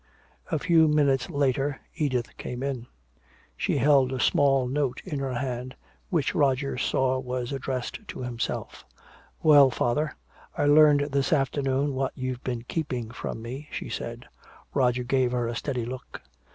A few minutes later Edith came in. She held a small note in her hand, which Roger saw was addressed to himself. "Well, father, I learned this afternoon what you've been keeping from me," she said. Roger gave her a steady look.